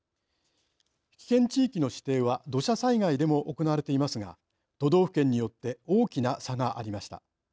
危険地域の指定は土砂災害でも行われていますが都道府県によって大きな差がありました。